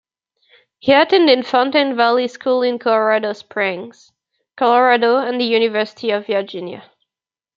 He attended Fountain Valley School in Colorado Springs, Colorado and the University of Virginia.